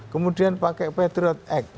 kemudian pakai patriot act